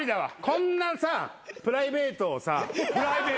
こんなプライベートをさ。